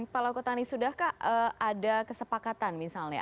pak laukotani sudahkah ada kesepakatan misalnya